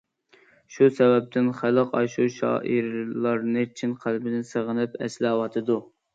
شۇ سەۋەبتىن خەلق ئاشۇ شائىرلارنى چىن قەلبىدىن سېغىنىپ ئەسلەۋاتىدۇ.